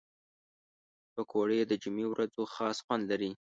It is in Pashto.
پکورې د جمعې ورځو خاص خوند لري